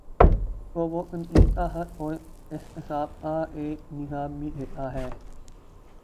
تو وہ تنقیدکا حق اور احتساب کا ایک نظام بھی دیتا ہے۔